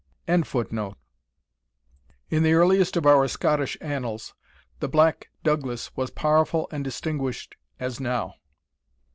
] In the earliest of our Scottish annals, the Black Douglas was powerful and distinguished as now."